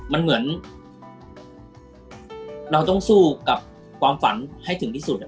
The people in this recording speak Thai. มันเหมือนเราต้องสู้กับความฝันให้ถึงที่สุด